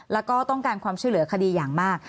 แล้วก็ต้องการความช่วยเหลือคดีอย่างมาก